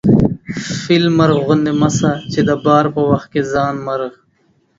فيل مرغ غوندي مه سه چې د بار په وخت کې ځان مرغ